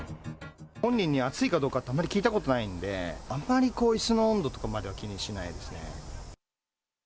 本人に熱いかどうかってあまり聞いたことないので、あんまりこう、いすの温度とかまでは気にしないですね。